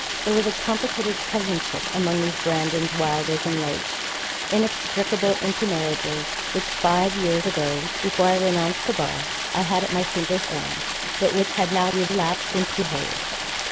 There was a complicated cousinship among these Brandons, Wylders, and Lakes inextricable intermarriages, which, five years ago, before I renounced the bar, I had at my fingers' ends, but which had now relapsed into haze.